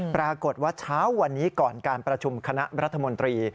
ปรากฏว่าเช้าวันนี้ก่อนการประชุมคณะรัฐมนตรี